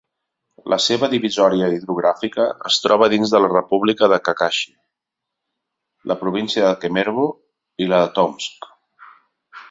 La seva divisòria hidrogràfica es troba dins de la República de Khakassia, la província de Kemerovo i la de Tomsk.